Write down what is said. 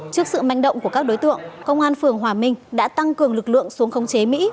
trước sự manh động của các đối tượng công an phường hòa minh đã tăng cường lực lượng xuống khống chế mỹ